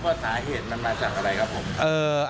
ว่าสาเหตุมันมาจากอะไรครับ